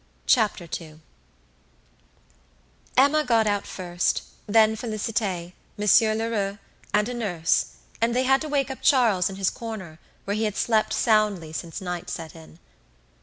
Chapter Two Emma got out first, then Félicité, Monsieur Lheureux, and a nurse, and they had to wake up Charles in his corner, where he had slept soundly since night set in.